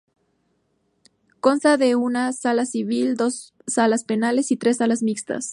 Consta de una Sala Civil, dos Salas Penales y tres Salas Mixtas.